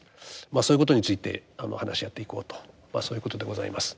まあそういうことについて話し合っていこうとまあそういうことでございます。